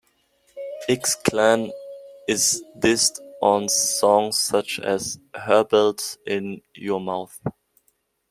X-Clan is dissed on songs such as Herbalz in Your Mouth.